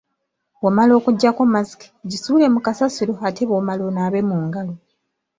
Bw’omala okuggyako masiki, gisuule mu kasasiro ate bw’omala onaabe mu ngalo.